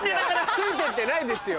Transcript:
ついてってないですよ。